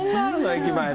駅前で。